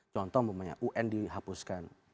contoh un dihapuskan